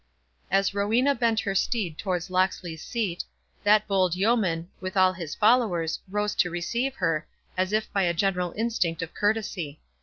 As Rowena bent her steed towards Locksley's seat, that bold yeoman, with all his followers, rose to receive her, as if by a general instinct of courtesy.